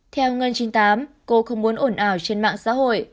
theo ngân chín mươi tám cô không muốn ổn ảo trên mạng xã hội